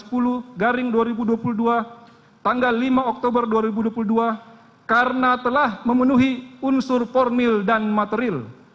puluhan para sesuai pak bok force your syahir mohamad langithari